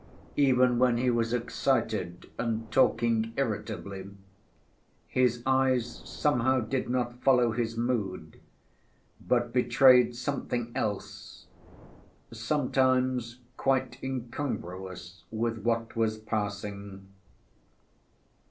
Even when he was excited and talking irritably, his eyes somehow did not follow his mood, but betrayed something else, sometimes quite incongruous with what was passing.